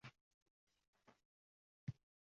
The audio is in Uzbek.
Harbiy xizmatchilar uchun yangi uylar